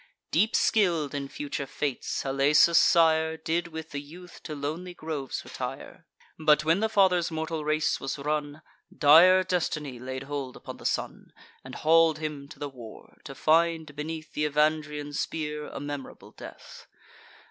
Deep skill'd in future fates, Halesus' sire Did with the youth to lonely groves retire: But, when the father's mortal race was run, Dire destiny laid hold upon the son, And haul'd him to the war, to find, beneath Th' Evandrian spear, a memorable death.